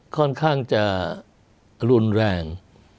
ค่อนข้างจะรุนแรง